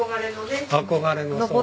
憧れのね。